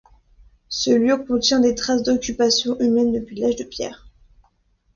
Ce lieu contient des traces d'occupation humaine depuis l'âge de pierre.